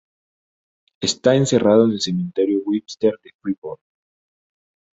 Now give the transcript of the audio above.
Está enterrado en el Cementerio Webster de Freeport.